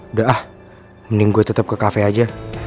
udah ah mending gue tetep ke cafe aja